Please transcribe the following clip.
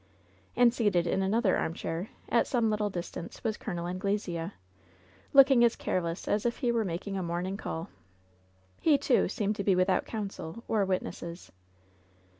And seated in another armchair, at some little dis tance, was Col. Anglesea, looking as careless as if he were making a morning call. He, too, seemed to be without counsel or witnesses.